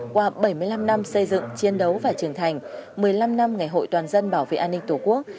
qua bảy mươi năm năm xây dựng chiến đấu và trưởng thành một mươi năm năm ngày hội toàn dân bảo vệ an ninh tổ quốc